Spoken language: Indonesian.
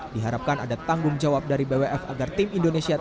diharapkan ada tanggung jawab dari bwf agar tim indonesia tidak merasa dirugikan